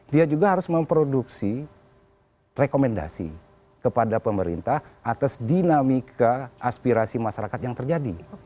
dia juga harus memproduksi rekomendasi kepada pemerintah atas dinamika aspirasi masyarakat yang terjadi